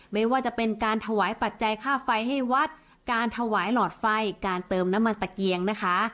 ไม่ว่าจะเป็นการถวายปัจจัยค่าไฟให้วัดการถวายหลอดไฟการเติมน้ำมันตะเกียงนะคะ